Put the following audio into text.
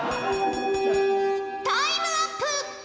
タイムアップ！